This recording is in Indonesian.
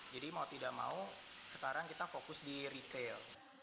jadi mau tidak mau sekarang kita fokus di retail